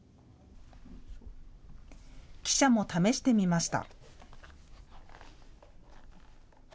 記者も試してみました。